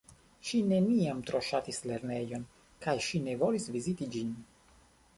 Ŝi neniam tro ŝatis lernejon kaj ŝi ne volis viziti ĝin.